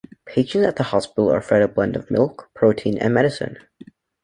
Patients at the hospital are fed a blend of milk, protein and medicine.